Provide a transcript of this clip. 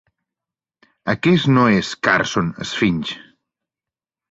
Aquest no és Carson Sphinx.